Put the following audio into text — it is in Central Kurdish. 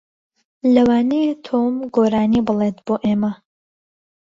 لەوانەیە تۆم گۆرانی بڵێت بۆ ئێمە.